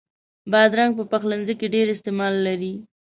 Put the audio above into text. بادرنګ په پخلنځي کې ډېر استعمال لري.